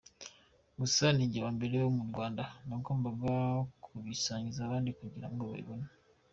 Gusa ninjye wa mbere wo mu Rwanda, nagombaga kubisangiza abandi kugira ngo babibone.